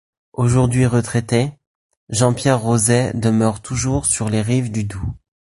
Aujourd’hui retraité, Jean-Pierre Roset demeure toujours sur les rives du Doubs.